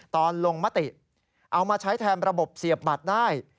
ตอนลงมติเอามาใช้แทนระบบเสียบบัตรได้